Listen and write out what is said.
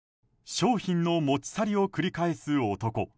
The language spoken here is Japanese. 商品の持ち去りを繰り返す男。